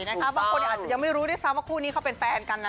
บางคนอาจจะยังไม่รู้ด้วยซ้ำว่าคู่นี้เขาเป็นแฟนกันนะ